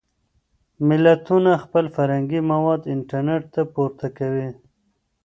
ملتونه خپل فرهنګي مواد انټرنټ ته پورته کوي.